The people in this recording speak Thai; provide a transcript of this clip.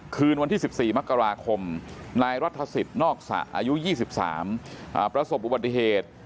คืนวันที่๑๔มกราคมนายรัฐศิษย์นอกสะอายุ๒๓ประสบอุบัติเหตุ